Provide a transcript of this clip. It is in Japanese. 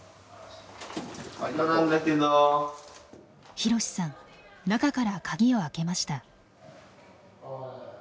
ひろしさん中から鍵をあけました。